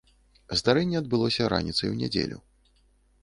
Здарэнне адбылося раніцай у нядзелю.